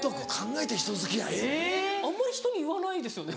・えぇ・あんまり人に言わないですよね。